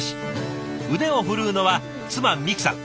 腕を振るうのは妻未来さん。